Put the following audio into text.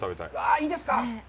いいですか？